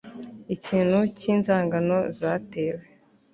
Ikintu cy inzangano zatewe